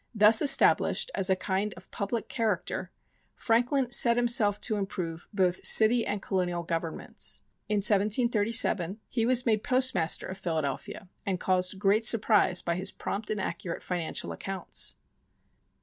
Thus established as a kind of public character, Franklin set himself to improve both city and Colonial governments. In 1737, he was made postmaster of Philadelphia, and caused great surprise by his prompt and accurate financial accounts.